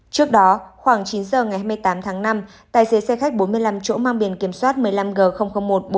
trước đó khoảng chín giờ ngày hai mươi tám tháng năm tài xế xe khách bốn mươi năm chỗ mang biển kiểm soát một mươi năm g một trăm bốn mươi bảy